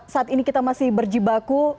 saat ini kita masih berjibaku